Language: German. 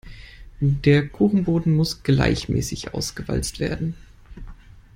Der Kuchenboden muss gleichmäßig ausgewalzt werden.